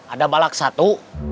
ada balak satu